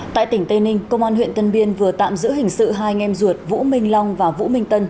tại tỉnh tây ninh công an huyện tân biên vừa tạm giữ hình sự hai nghem ruột vũ minh long và vũ minh tân